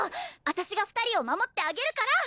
私が２人を守ってあげるから！